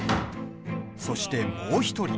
そして、もう１人。